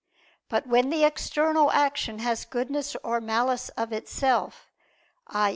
But when the external action has goodness or malice of itself, i.